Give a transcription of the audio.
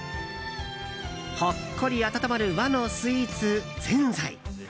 ほっこり温まる和のスイーツぜんざい。